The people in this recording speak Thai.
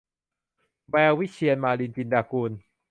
แวววิเชียร - มาลิน จินดากุล